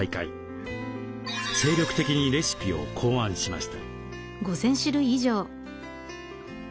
精力的にレシピを考案しました。